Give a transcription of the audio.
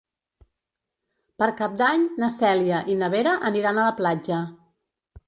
Per Cap d'Any na Cèlia i na Vera aniran a la platja.